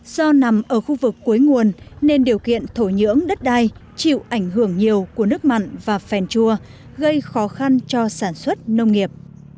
do nằm ở khu vực cuối nguồn nên điều kiện thổ nhưỡng đất đai chịu ảnh hưởng nhiều của nước mặn và phèn chua gây khó khăn cho sản xuất nông nghiệp